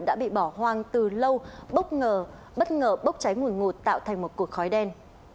đã bị bỏ hoang từ lâu bất ngờ bốc cháy ngủi ngột tạo thành một cuộc khói đen